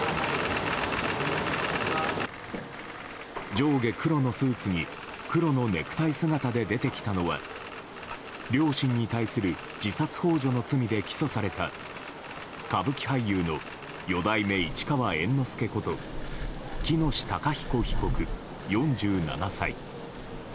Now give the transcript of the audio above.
上下黒のスーツに黒のネクタイ姿で出てきたのは両親に対する自殺幇助の罪で起訴された歌舞伎俳優の四代目市川猿之助こと喜熨斗孝彦被告、４７歳。